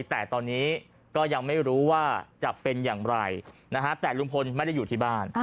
แต่ตอนนี้ก็ยังไม่รู้ว่าจะเป็นอย่างไรนะฮะแต่ลุงพลไม่ได้อยู่ที่บ้าน